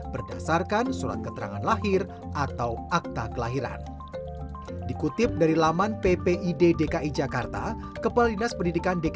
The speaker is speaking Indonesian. berdasarkan sumber daya yang ditetapkan